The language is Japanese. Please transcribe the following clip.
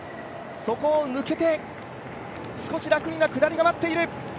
そこを抜けて、少し楽な下りが待っている。